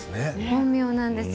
本名なんです。